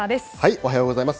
おはようございます。